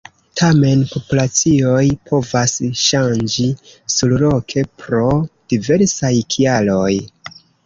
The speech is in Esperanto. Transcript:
Tamen, populacioj povas ŝanĝi surloke pro diversaj kialoj.